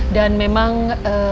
dan memang saya gak sengaja aja